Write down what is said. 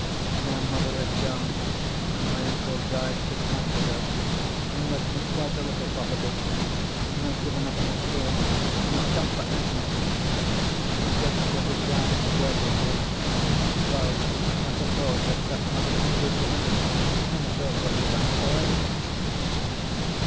Now mother has gone, and my uncle died six months ago and left me quite a little property, and I've given up my school, and I've come for Agnes. I guess she'll be glad to go with me, though I suppose her stepmother is a good woman, and has always done for her."